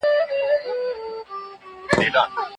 هغوی خپل وخت کې کار کړی.